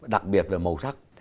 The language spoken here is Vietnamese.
đặc biệt là màu sắc